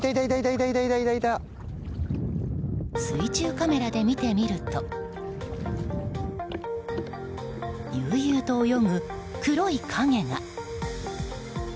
水中カメラで見てみると悠々と泳ぐ黒い影が。